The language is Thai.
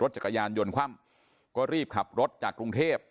จักรยานยนต์คว่ำก็รีบขับรถจากกรุงเทพ